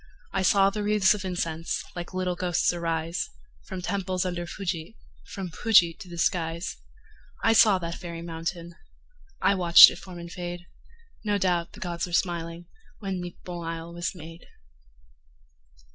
I saw the wreathes of incense Like little ghosts arise, From temples under Fuji, From Fuji to the skies. I saw that fairy mountain. ... I watched it form and fade. No doubt the gods were smiling, When Nippon isle was made.